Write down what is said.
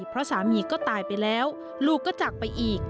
เพราะสามีก็ตายไปแล้วลูกก็จากไปอีก